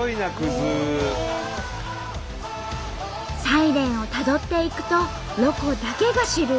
サイレンをたどっていくとロコだけが知る驚きの絶景があった！